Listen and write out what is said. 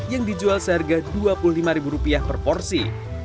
yang dijual seharga dua puluh lima per porsi